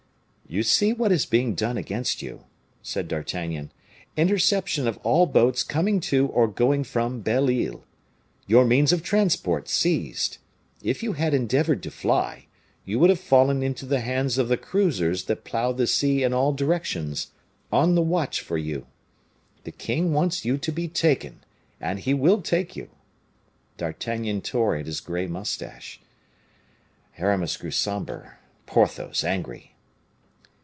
"You see what is being done against you," said D'Artagnan; "interception of all boats coming to or going from Belle Isle. Your means of transport seized. If you had endeavored to fly, you would have fallen into the hands of the cruisers that plow the sea in all directions, on the watch for you. The king wants you to be taken, and he will take you." D'Artagnan tore at his gray mustache. Aramis grew somber, Porthos angry.